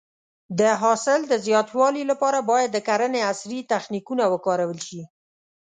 د حاصل د زیاتوالي لپاره باید د کرنې عصري تخنیکونه وکارول شي.